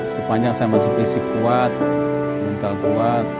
sepanjang saya masih fisik kuat mental kuat